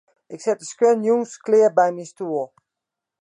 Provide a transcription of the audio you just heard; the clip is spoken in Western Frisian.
Ik set de skuon jûns klear by myn stoel.